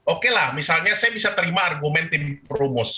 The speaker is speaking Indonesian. oke lah misalnya saya bisa terima argumen tim rumus